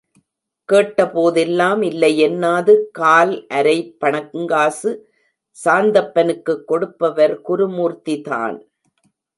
கேட்டபோதெல்லாம் இல்லையென்னாது கால் அரை பணங்காசு சாந்தப்பனுக்குக் கொடுப்பவர் குருமூர்த்திதான்.